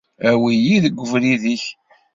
Awi-yi deg ubrid-ik.